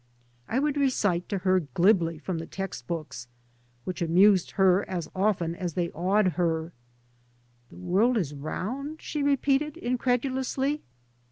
I would recite to her glibly from the text books, which amused her as often as they awed her. " The world is round?" she repeated incredulously.